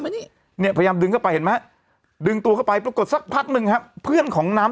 พยายามดึงเข้าไปเพราะกดสักพักนึงเพื่อนของน้ำ